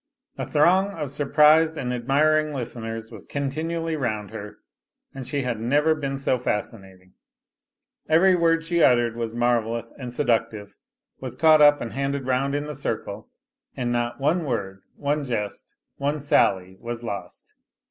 A throng of surprised and admiring listeners was continually round her, and she had never been so fascinating. Every word she uttered was marvellous and seductive, was caught up and handed round in the circle, and not one word, one jest, one sally was lost.